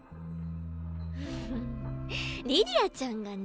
フフッリディアちゃんがね。